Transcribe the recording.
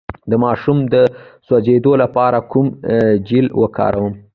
د ماشوم د سوځیدو لپاره کوم جیل وکاروم؟